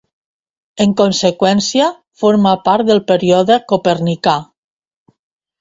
En conseqüència, forma part del Període Copernicà.